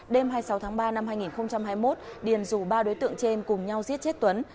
đêm hai mươi sáu tháng ba năm hai nghìn hai mươi một điền rủ ba đối tượng trên cùng nhau giết chết tuấn